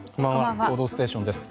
「報道ステーション」です。